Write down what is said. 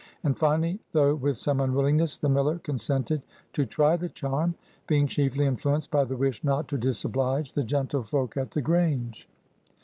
And finally, though with some unwillingness, the miller consented to try the charm; being chiefly influenced by the wish not to disoblige the gentlefolk at the Grange.